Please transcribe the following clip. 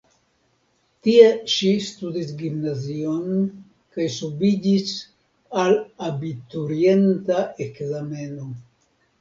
Tie ŝi studis gimnazion kaj subiĝis al abiturienta ekzameno.